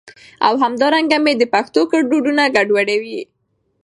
او همدا رنګه مي د پښتو ګړدودونه ګډوډي